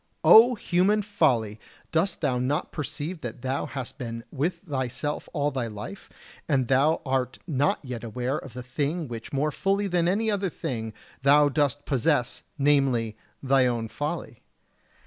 O human folly! dost thou not perceive that thou hast been with thyself all thy life, and thou art not yet aware of the thing which more fully than any other thing thou dost possess, namely, thy own folly?